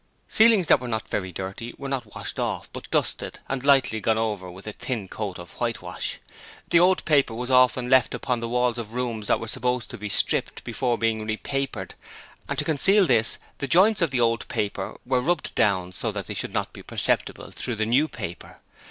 Ceilings that were not very dirty were not washed off, but dusted, and lightly gone over with a thin coat of whitewash. The old paper was often left upon the walls of rooms that were supposed to be stripped before being repapered, and to conceal this the joints of the old paper were rubbed down so that they should not be perceptible through the new paper.